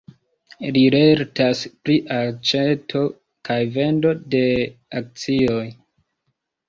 Li lertas pri aĉeto kaj vendo de akcioj.